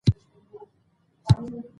په افغانستان کې د زراعت بډایه منابع شته.